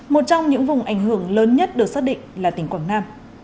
một trong những vùng ảnh hưởng lớn nhất được xác định là tỉnh quảng nam